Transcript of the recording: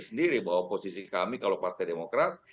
sendiri bahwa posisi kami kalau partai demokrat